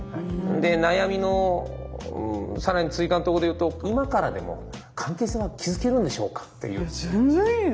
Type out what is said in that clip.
で悩みの更に追加のところで言うと今からでも関係性は築けるんでしょうかっていう。